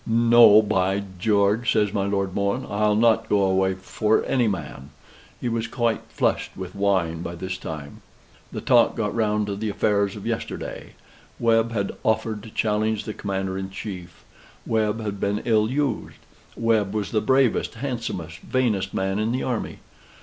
"No, by G ," says my Lord Mohun. "I'll not go away for any man;" he was quite flushed with wine by this time. The talk got round to the affairs of yesterday. Webb had offered to challenge the Commander in Chief: Webb had been ill used: Webb was the bravest, handsomest, vainest man in the army.